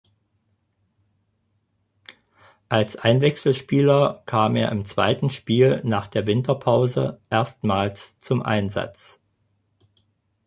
Als Einwechselspieler kam er im zweiten Spiel nach der Winterpause erstmals zum Einsatz.